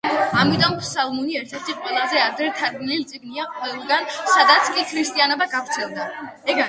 ამიტომ ფსალმუნი ერთ-ერთი ყველაზე ადრე თარგმნილი წიგნია ყველგან, სადაც კი ქრისტიანობა გავრცელდა.